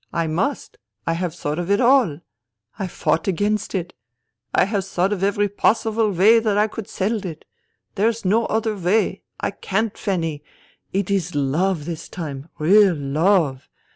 I must. I have thought of it all. I fought against it. I have thought of every possible way that I could settle it. There is no other way. I can't, Fanny. It is love, this time, real love.